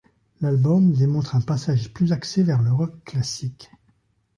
L'album démontre un passage plus axé vers le rock classique.